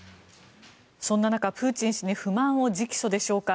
そんな中、プーチン氏に不満を直訴でしょうか。